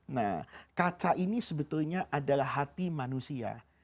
nah kaca ini sebetulnya adalah hati manusia